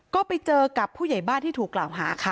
ก็ไปเจอกับผู้ใหญ่บ้านที่ถูกกล่าวหาค่ะ